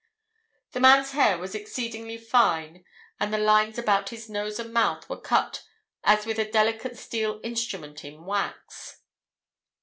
"The man's hair was exceedingly fine, and the lines about his nose and mouth were cut as with a delicate steel instrument in wax.